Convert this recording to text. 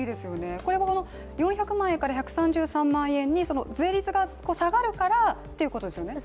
これは４００万円から１３０万円に、税率が下がるから、ということですよね？